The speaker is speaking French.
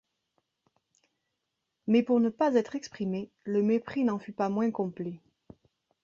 Mais pour ne pas être exprimé, le mépris n’en fut pas moins complet.